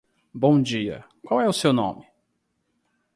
Bom dia. Qual é o seu nome?